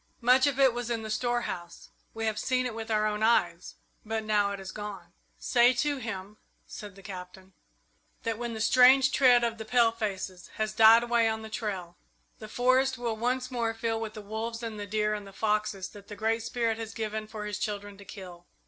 Much of it was in the storehouse we have seen it with our own eyes, but now it is gone." "Say to him," said the Captain, "that when the strange tread of the palefaces has died away on the trail, the forest will once more fill with the wolves and the deer and the foxes that the Great Spirit has given for his children to kill.